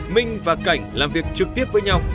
minh và cảnh làm việc trực tiếp với nhau